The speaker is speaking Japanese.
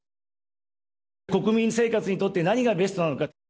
国民生活にとって何がベストなのか。